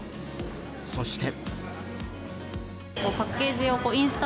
そして。